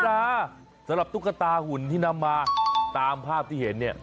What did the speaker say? สำหรับตุ๊กตาหุ่นที่นำมาตามภาพที่เห็นเนี่ย